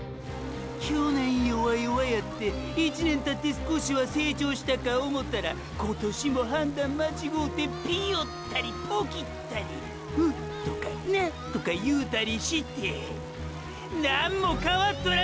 去年弱々やって一年たって少しは成長したか思うたら今年も判断間違うてピヨったりポキったり「う」とか「な」とか言うたりしてェなんも変わっとらんキミがァ！！